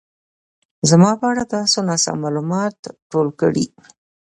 زما په اړه تاسو ناسم مالومات ټول کړي